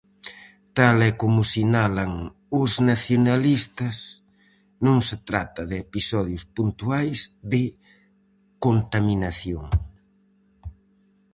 Tal e como sinalan os nacionalistas, non se trata de episodios puntuais de contaminación.